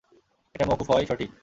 এটা মওকূফ হওয়াই সঠিক।